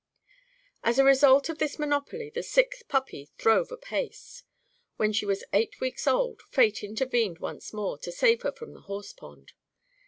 As a result of this monopoly the sixth puppy throve apace. When she was eight weeks old, fate intervened once more to save her from the horse pond.